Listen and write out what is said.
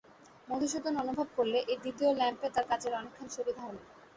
মধুসূদন অনুভব করলে, এই দ্বিতীয় ল্যাম্পে তার কাজের অনেকখানি সুবিধা হল।